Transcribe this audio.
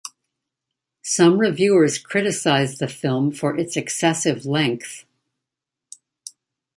Some reviewers criticised the film for its excessive length.